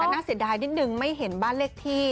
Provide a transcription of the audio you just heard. แต่น่าเสียดายนิดนึงไม่เห็นบ้านเลขที่